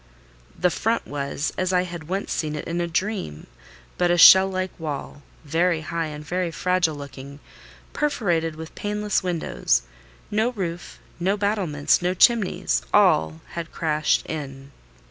The front was, as I had once seen it in a dream, but a shell like wall, very high and very fragile looking, perforated with paneless windows: no roof, no battlements, no chimneys—all had crashed in.